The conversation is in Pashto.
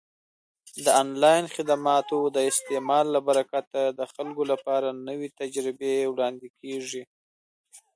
د آنلاین خدماتو د استعمال له برکته د خلکو لپاره نوې تجربې وړاندې کیږي.